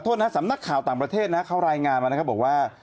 โทษนะสำนักข่าวต่างประเทศนะเขารายงานมานะครับบอกว่า